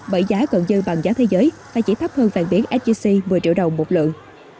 bởi giá cận dư bằng giá thế giới và chỉ thấp hơn vàng biến sjc một mươi triệu đồng một lượng